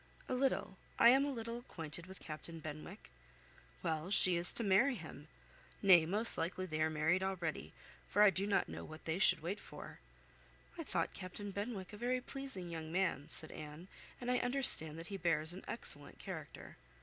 "A little. I am a little acquainted with Captain Benwick." "Well, she is to marry him. Nay, most likely they are married already, for I do not know what they should wait for." "I thought Captain Benwick a very pleasing young man," said Anne, "and I understand that he bears an excellent character."